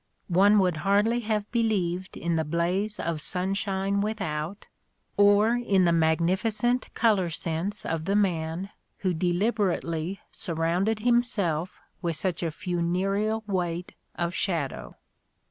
One would hardly have believed in the blaze of sunshine without, or in the magnificent colour sense of the man who deliberately surrounded himself with such a funereal weight of shadow.